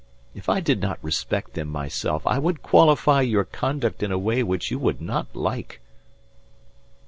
If I did not respect them myself I would qualify your conduct in a way which you would not like."